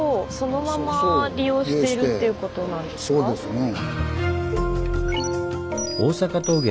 そうですね。